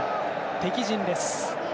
敵陣です。